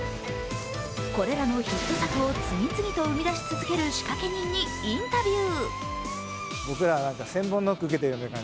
これらのヒット作を次々と生み出し続ける仕掛け人にインタビュー。